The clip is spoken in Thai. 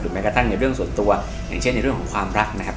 แม้กระทั่งในเรื่องส่วนตัวอย่างเช่นในเรื่องของความรักนะครับ